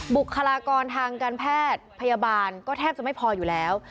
บุคลากรทางการแพทย์พยาบาลก็แทบจะไม่พออยู่แล้ว